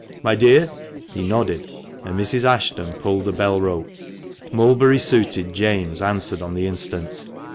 — My dear?" He nodded, and Mrs. Ashton pulled the bell rope. Mulberry suited James answered on the instant.